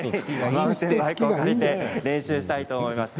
練習したいと思います。